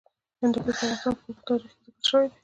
هندوکش د افغانستان په اوږده تاریخ کې ذکر شوی دی.